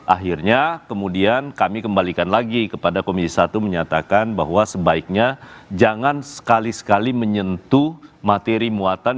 akhirnya kemudian kami kembalikan lagi kepada komisi satu menyatakan bahwa sebaiknya jangan sekali sekali menyentuh materi muatan